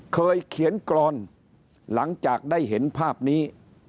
เคยเขียนกรอนหลังจากได้เห็นภาพนี้